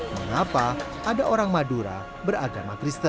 mengapa ada orang madura beragama kristen